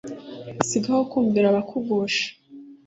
sigaho kumvira abakugusha